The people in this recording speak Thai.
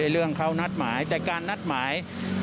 เรื่องเขานัดหมายแต่การนัดหมาย